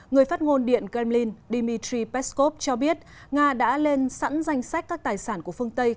người phát ngôn điện kremlin dmitry peskov cho biết nga đã lên sẵn danh sách các tài sản của phương tây